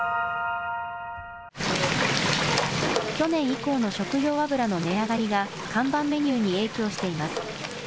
去年以降の食用油の値上がりが看板メニューに影響しています。